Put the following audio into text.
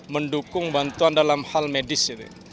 mendukung bantuan dalam hal medis